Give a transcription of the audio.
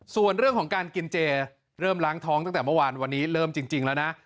ส่วนเรื่องของการกินเจเริ่มล้างท้องตั้งแต่เมื่อวานวันนี้เริ่มจริงแล้วนะ